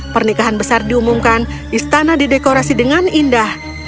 pernikahan besar diumumkan istana didekorasi dengan indah